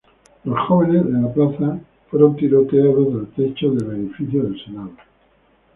Los jóvenes en la plaza fueron tiroteados desde el techo del edificio del Senado.